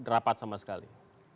rapat sama sekali